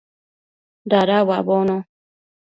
Dada uabono